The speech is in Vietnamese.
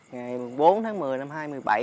ngày bốn tháng một mươi năm hai nghìn một mươi bảy